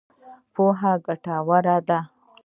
پوهه ګټوره ده.